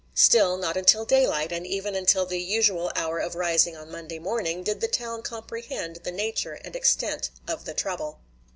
Still, not until daylight, and even until the usual hour of rising on Monday morning, did the town comprehend the nature and extent of the trouble.